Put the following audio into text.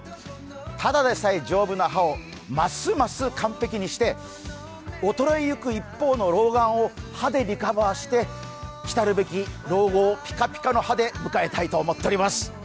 ただでさえ丈夫な歯をますます完璧にして衰えゆく一方の老眼を歯でカバーして来たるべき老後を、ピカピカの歯で迎えたいと思っております。